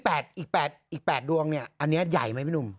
แล้วอีก๘ดวงอันนี้ใหญ่ไหมพี่หนุ่ม